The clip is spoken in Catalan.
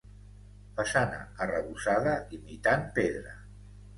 Façana arrebossada imitant pedra.